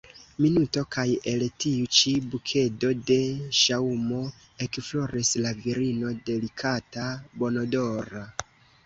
Minuto kaj el tiu ĉi bukedo de ŝaŭmo ekfloris la virino delikata, bonodora.